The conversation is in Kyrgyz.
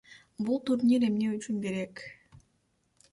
Бул турнир эмне үчүн керек?